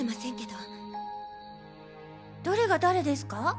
どれが誰ですか？